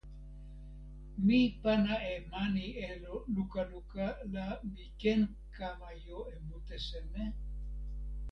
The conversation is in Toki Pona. mi pana e mani Elo luka luka la mi ken kama jo e mute seme?